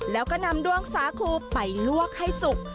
แล้วก็นำดวงสาคูไปลวกให้สุก